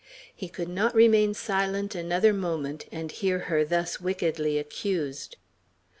He could not remain silent another moment, and hear her thus wickedly accused.